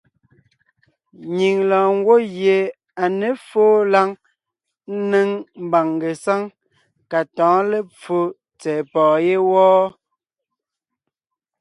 Nyìŋ lɔɔn ngwɔ́ gie à ně fóo lǎŋ ńnéŋ mbàŋ ngesáŋ ka tɔ̌ɔn lepfo tsɛ̀ɛ pɔ̀ɔn yé wɔ́.